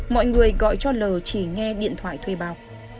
mọi người gọi cho l chỉ nghe điện thoại thuê bao